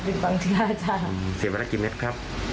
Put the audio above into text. ปิดบางทีละครับ